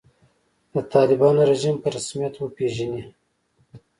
د طالبانو رژیم په رسمیت وپېژني.